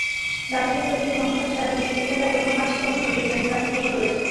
ব্যবসায় প্রশাসন অনুষদ ছাড়া বিশ্ববিদ্যালয়ের অন্য পাঁচটি অনুষদে শ্রেণি কার্যক্রম চলেছে।